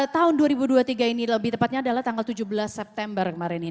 tahun dua ribu dua puluh tiga ini lebih tepatnya adalah tanggal tujuh belas september kemarin ini